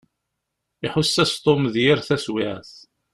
Iḥuss-as Tom d yir taswiɛt.